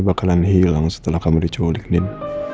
bakalan hilang setelah kamu diculik din